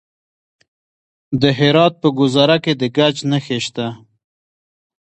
د هرات په ګذره کې د ګچ نښې شته.